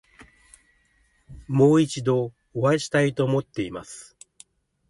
もう一度お会いしたいと思っています。